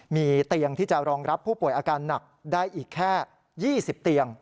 มีเตียงที่จะรองรับผู้ป่วยอาการหนักได้อีกแค่๒๐เตียง